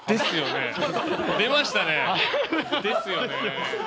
出ましたね。